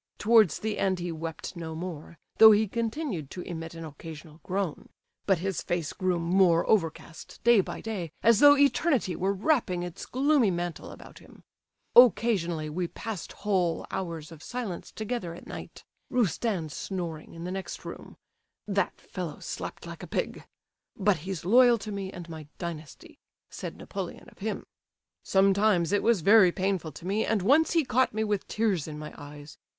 Towards the end he wept no more, though he continued to emit an occasional groan; but his face grew more overcast day by day, as though Eternity were wrapping its gloomy mantle about him. Occasionally we passed whole hours of silence together at night, Roustan snoring in the next room—that fellow slept like a pig. 'But he's loyal to me and my dynasty,' said Napoleon of him. "Sometimes it was very painful to me, and once he caught me with tears in my eyes.